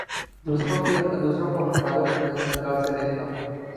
دوسروں کو حقارت کی نگاہ سے دیکھتا ہوں